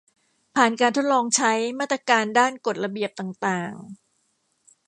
ผ่านการทดลองใช้ มาตรการด้านกฎระเบียบต่างต่าง